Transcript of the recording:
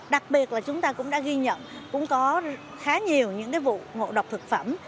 đặc biệt là chúng ta cũng đã ghi nhận cũng có khá nhiều những vụ ngộ độc thực phẩm